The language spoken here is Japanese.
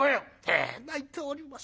「ええ泣いております。